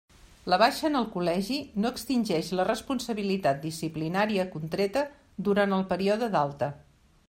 La baixa en el col·legi no extingeix la responsabilitat disciplinària contreta durant el període d'alta.